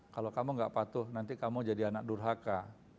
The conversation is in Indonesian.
kalau kamu enggak patuh nanti kamu jadi anak durhara